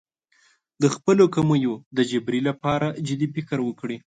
د خپلو کمیو د جبېرې لپاره جدي فکر وکړي.